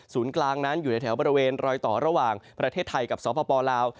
กลางนั้นอยู่ในแถวบริเวณรอยต่อระหว่างประเทศไทยกับสปลาว